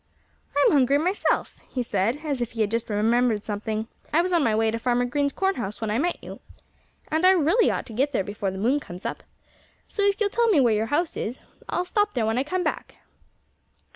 "I'm hungry myself," he said, as if he had just remembered something. "I was on my way to Farmer Green's corn house when I met you. And I really ought to get there before the moon comes up. So if you'll tell me where your house is I'll stop there when I come back."